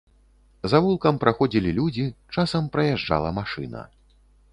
Завулкам праходзілі людзі, часам праязджала машына.